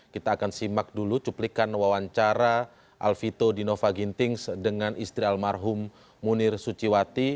kita akan simak dulu cuplikan wawancara alvito dinova gintings dengan istri almarhum munir suciwati